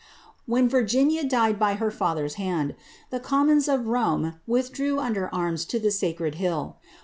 _ When Virginia died by her father's hand, the commons of Rome withdrew under arms to the Sacred Hill.